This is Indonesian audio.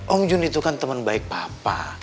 om jun itu kan teman baik papa